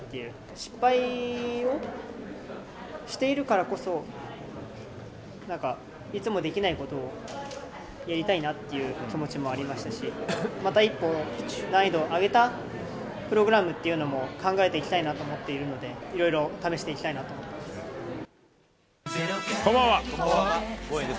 失敗をしているからこそ、なんか、いつもできないことをやりたいなっていう気持ちもありましたし、また一個、難易度を上げたプログラムっていうのも考えていきたいなと思っているので、いろいろ試していきたいなと思ってます。